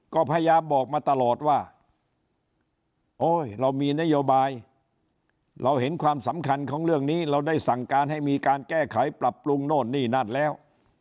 ก็พยายามบอกมาตลอดว่าโอ๊ยเรามีนโยบายเราเห็นความสำคัญของเรื่องนี้เราได้สั่งการให้มีการแก้ไขปรับปรุงโน่นนี่นั่นแล้ว